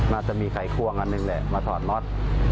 น่าจะมีไข่ควงอันนั้นหนึ่งแหละมาถอดม็อต